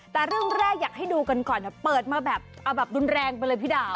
แต่เรื่องแรกอยากให้ดูกันก่อนเปิดมาแบบเอาแบบรุนแรงไปเลยพี่ดาว